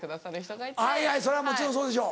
はいはいそれはもちろんそうでしょ。